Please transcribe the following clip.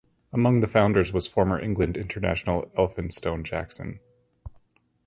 Among the founders was former England international Elphinstone Jackson.